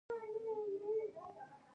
ایا ستاسو برات به اعلان نه شي؟